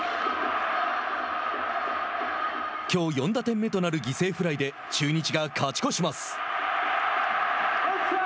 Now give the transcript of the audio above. きょう４打点目となる犠牲フライで中日が勝ち越します。